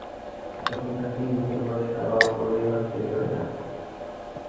যখন তার তিন বছর বয়স, তার বাবা পরিবার ছেড়ে চলে যান।